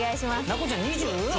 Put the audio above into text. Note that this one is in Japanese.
奈子ちゃん二十？